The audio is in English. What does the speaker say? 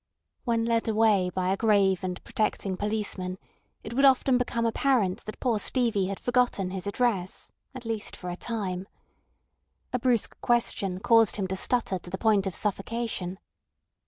When led away by a grave and protecting policeman, it would often become apparent that poor Stevie had forgotten his address—at least for a time. A brusque question caused him to stutter to the point of suffocation.